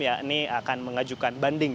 yakni akan mengajukan banding